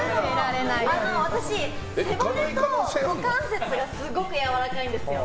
私、背骨と股関節がすごくやわらかいんですよ。